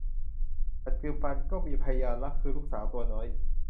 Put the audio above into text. ปัจจุบันก็มีพยานรักคือลูกสาวตัวน้อย